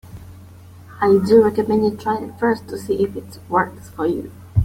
I do recommend you try it first to see if it works for you.